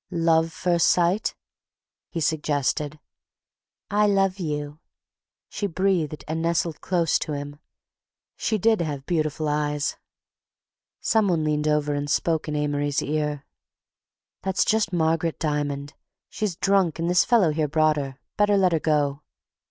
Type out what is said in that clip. "Love first sight," he suggested. "I love you," she breathed and nestled close to him. She did have beautiful eyes. Some one leaned over and spoke in Amory's ear. "That's just Margaret Diamond. She's drunk and this fellow here brought her. Better let her go."